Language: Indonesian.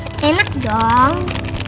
masih enak dong